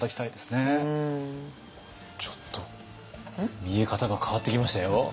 ちょっと見え方が変わってきましたよ。